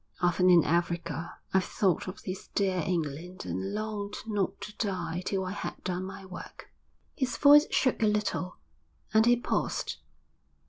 Often in Africa I've thought of this dear England and longed not to die till I had done my work.' His voice shook a little, and he paused.